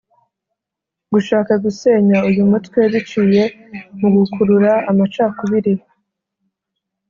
gushaka gusenya uyu mutwe biciye mu gukurura amacakubiri